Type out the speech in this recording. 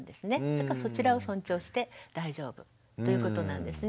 だからそちらを尊重して大丈夫ということなんですね。